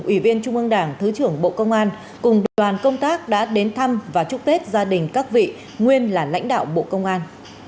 ủy viên trung ương đảng thứ trưởng bộ công an cùng đoàn công tác đã đến thăm và chúc tết gia đình các vị nguyên là lãnh đạo bộ công an